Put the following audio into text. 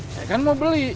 saya kan mau beli